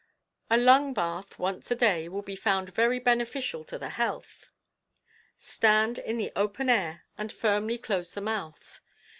A lung bath once a day will be found very beneficial to the health. Stand in the open air and firmly close the mouth.